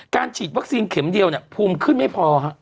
การฉีดวัคซีนเข็มเดียวแน่นอนภูมิขึ้นไม่พอ